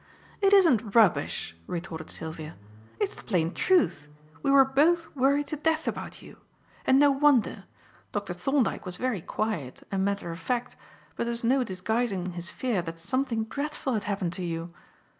"It isn't rubbish," retorted Sylvia. "It's the plain truth. We were both worried to death about you. And no wonder. Dr. Thorndyke was very quiet and matter of fact, but there was no disguising his fear that something dreadful had happened to you.